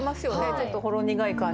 ちょっとほろ苦い感じで。